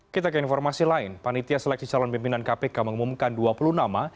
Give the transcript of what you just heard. kita ke informasi lain panitia seleksi calon pimpinan kpk mengumumkan dua puluh nama